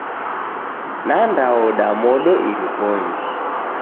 Nandaoda modo irikonyi.